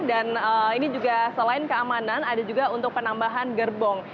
dan ini juga selain keamanan ada juga untuk penambahan gerbong